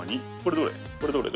どれ？